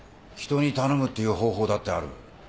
人に頼むっていう方法だってある。